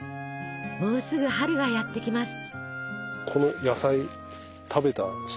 もうすぐ春がやって来ます。